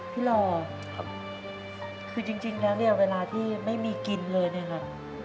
หล่อคือจริงแล้วเนี่ยเวลาที่ไม่มีกินเลยเนี่ยครับ